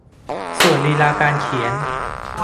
ส่วนลีลาการเขียน